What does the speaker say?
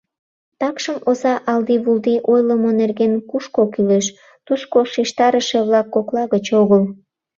Такшым оза алди-вулди ойлымо нерген кушко кӱлеш, тушко шижтарыше-влак кокла гыч огыл.